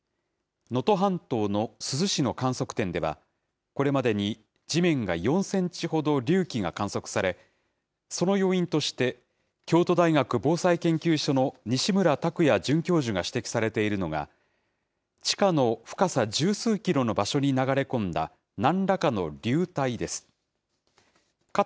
能登半島の珠洲市の観測点では、これまでに地面が４センチほど隆起が観測され、その要因として、京都大学防災研究所の西村たくや准教授が指摘されているのが、地下の深さ十数キロの場所に流れ込んだなんらかの流体です。